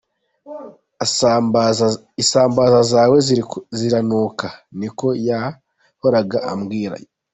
Isambaza zawe ziranuka’ niko yahoraga abwirwa .